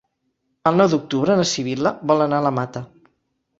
El nou d'octubre na Sibil·la vol anar a la Mata.